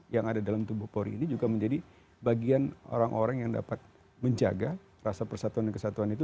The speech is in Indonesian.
yang ada dalam tubuh polri ini juga menjadi bagian orang orang yang dapat menjaga rasa persatuan dan kesatuan itu